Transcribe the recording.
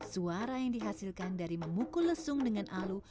suara yang dihasilkan dari memukul lesung dengan alu